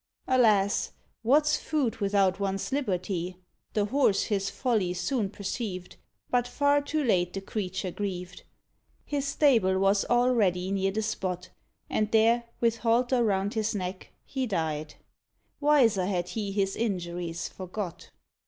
Alas! what's food without one's liberty? The Horse his folly soon perceived; But far too late the creature grieved. His stable was all ready near the spot, And there, with halter round his neck, he died, Wiser had he his injuries forgot.